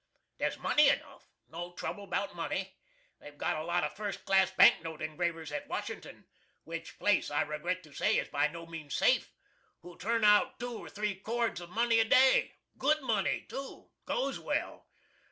There's money enough. No trouble about MONEY. They've got a lot of first class bank note engravers at Washington (which place, I regret to say, is by no means safe) who turn out two or three cords of money a day good money, too. Goes well.